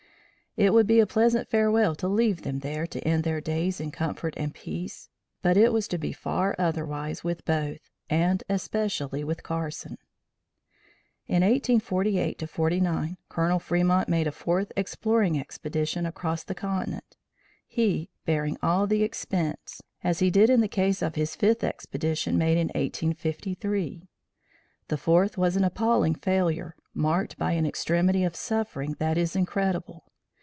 It would be a pleasant farewell to leave them there to end their days in comfort and peace, but it was to be far otherwise with both and especially with Carson. In 1848 49, Colonel Fremont made a fourth exploring expedition across the continent, he bearing all the expense, as he did in the case of his fifth expedition made in 1853. The fourth was an appalling failure, marked by an extremity of suffering that is incredible.